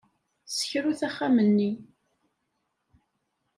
Ssekrut axxam-nni.